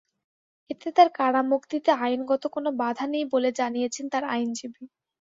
এতে তাঁর কারামুক্তিতে আইনগত কোনো বাধা নেই বলে জানিয়েছেন তাঁর আইনজীবী।